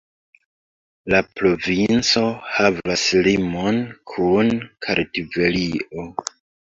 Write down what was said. La provinco havas limon kun Kartvelio.